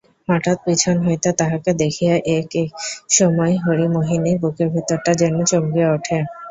হঠাৎ পিছন হইতে তাহাকে দেখিয়া এক-এক সময় হরিমোহিনীর বুকের ভিতরটা যেন চমকিয়া উঠে।